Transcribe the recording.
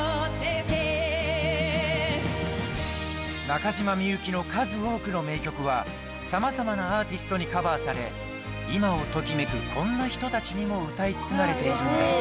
中島みゆきの数多くの名曲は様々なアーティストにカバーされ今を時めくこんな人達にも歌い継がれているんです